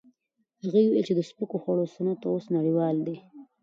هغه وویل د سپکو خوړو صنعت اوس نړیوال دی.